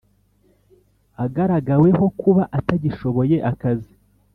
agaragaweho kuba atagishoboye akazi